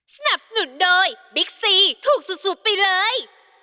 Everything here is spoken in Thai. สนับสนุนโดยบิ๊กซีถูกสุดไปเลย